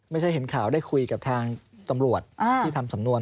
ไม่ใช่เห็นข่าวได้คุยกับทางตำรวจที่ทำสำนวน